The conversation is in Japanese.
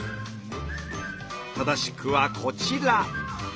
正しくはこちら。